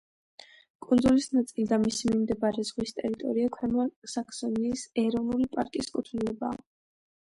კუნძულის ნაწილი და მისი მიმდებარე ზღვის ტერიტორია ქვემო საქსონიის ეროვნული პარკის კუთვნილებაა.